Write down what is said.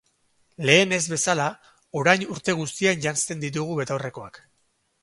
Lehen ez bezala, orain urte guztian janzten ditugu betaurrekoak.